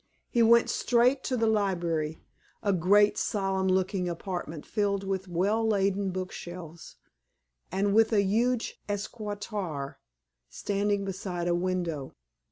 He went straight to the library a great solemn looking apartment filled with well laden book shelves, and with a huge escritoire standing beside a window.